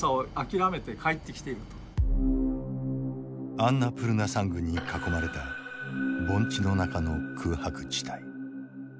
アンナプルナ山群に囲まれた盆地の中の空白地帯。